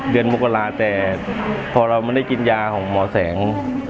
มกราแต่พอเราไม่ได้กินยาของหมอแสง